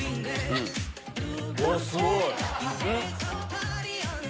すごい！